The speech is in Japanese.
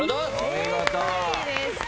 お見事。